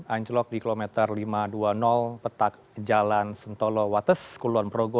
anjlok di kilometer lima ratus dua puluh petak jalan sentolo wates kulon progo